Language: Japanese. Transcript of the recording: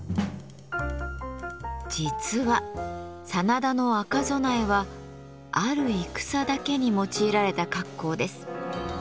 実は真田の赤備えはある戦だけに用いられた格好です。